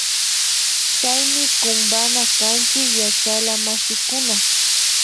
Chaymi kumpana kanchik yashalla mashikuna